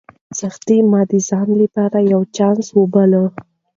سختۍ مې د ځان لپاره یو چانس وباله.